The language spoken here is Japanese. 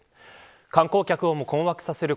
観光客をも困惑させる